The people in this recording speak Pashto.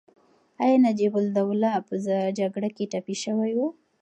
ایا نجیب الدوله په جګړه کې ټپي شوی و؟